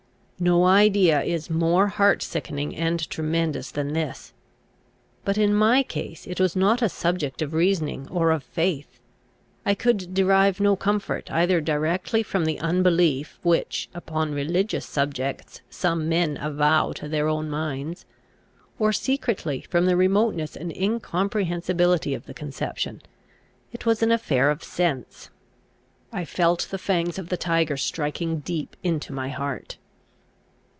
No idea is more heart sickening and tremendous than this. But, in my case, it was not a subject of reasoning or of faith; I could derive no comfort, either directly from the unbelief which, upon religious subjects, some men avow to their own minds; or secretly from the remoteness and incomprehensibility of the conception: it was an affair of sense; I felt the fangs of the tiger striking deep into my heart.